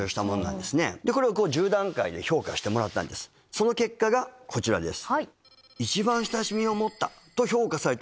その結果がこちらです。